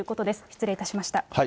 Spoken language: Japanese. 失礼いたしました。